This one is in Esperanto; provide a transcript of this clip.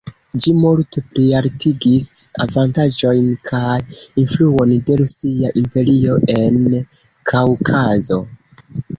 Ĝi multe plialtigis avantaĝojn kaj influon de Rusia Imperio en Kaŭkazo.